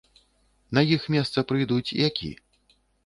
На іх месца прыйдуць які?